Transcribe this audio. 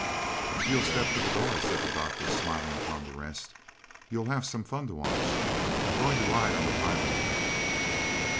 "If you'll step to the door," said the doctor, smiling upon the rest, "you'll have some fun to watch. I'm going to ride on the piebald."